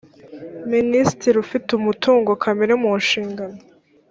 minisitiri ufite umutungo kamere munshingano